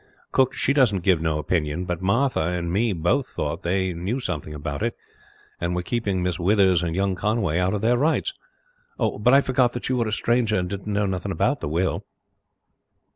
Cook, she doesn't give no opinion; but Martha and me both thought they knew something about it, and were keeping Miss Withers and young Conway out of their rights. But I forgot that you were a stranger, and didn't know nothing about the will."